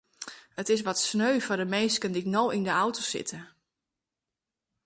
It is wat sneu foar de minsken dy't no yn de auto sitte.